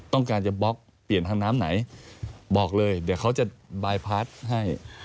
ต้องการจะบล็อกเปลี่ยนทางน้ำไหนบอกเลยเดี๋ยวเขาจะบายพาร์ทให้